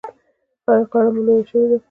ایا غاړه مو لویه شوې ده؟